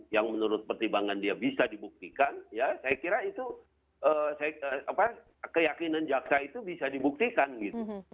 yang menurut pertimbangan dia bisa dibuktikan ya saya kira itu keyakinan jaksa itu bisa dibuktikan gitu